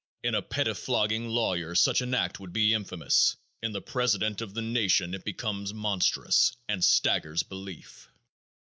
In a pettifogging lawyer such an act would be infamous; in the president of the nation it becomes monstrous and staggers belief.